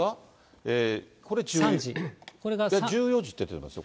これが、１４時って出てますよ。